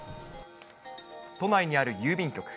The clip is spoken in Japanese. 都内にある郵便局。